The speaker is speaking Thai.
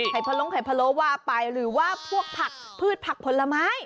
พะลงไข่พะโลว่าไปหรือว่าพวกผักพืชผักผลไม้